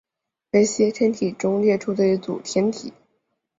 梅西耶天体中列出的一组天体。